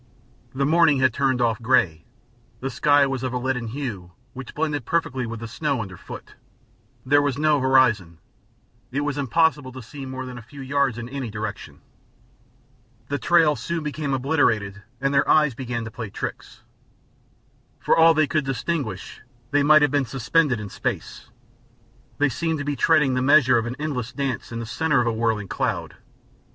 The morning had turned off gray, the sky was of a leaden hue which blended perfectly with the snow underfoot, there was no horizon, it was impossible to see more than a few yards in any direction. The trail soon became obliterated and their eyes began to play tricks. For all they could distinguish, they might have been suspended in space; they seemed to be treading the measures of an endless dance in the center of a whirling cloud.